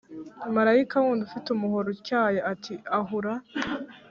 marayika wundi ufite umuhoro utyaye ati Ahura